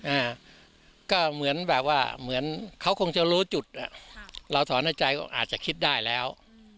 อ่าก็เหมือนแบบว่าเขาคงจะรู้จุดอ่ะเราถอนหายใจอ่ะอาจจะคิดได้แล้ว